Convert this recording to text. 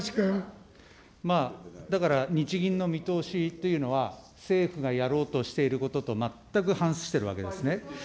だから日銀の見通しというのは、政府がやろうとしていることと、全く反しているわけですね。